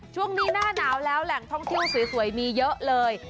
ช่วงนี้หน้าหนาวแล้วแหล่งท่องเที่ยวสวยมีเยอะเลย